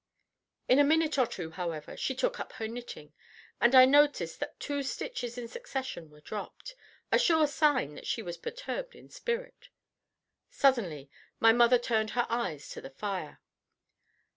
In a minute or two, however, she took up her knitting, and I noticed that two stitches in succession were dropped, a sure sign that she was perturbed in spirit. Suddenly my mother turned her eyes to the fire.